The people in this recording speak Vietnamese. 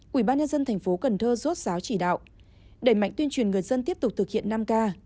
quỹ ban nhân dân tp cần thơ rốt sáo chỉ đạo đẩy mạnh tuyên truyền người dân tiếp tục thực hiện năm k